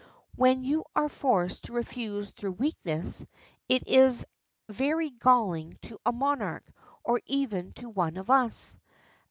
When you are forced to refuse through weakness, it is very galling to a monarch, or even to one of us.